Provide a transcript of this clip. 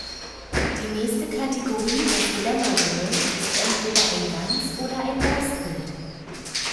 Die nächste Kategorie, das Glamour-Girl, ist entweder ein Ganz- oder ein Brustbild.